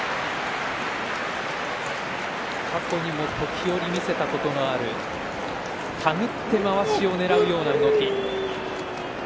過去にも時折見せたことのある手繰ってまわしをねらうような動き